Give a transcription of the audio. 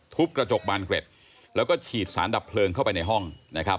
กระจกบานเกร็ดแล้วก็ฉีดสารดับเพลิงเข้าไปในห้องนะครับ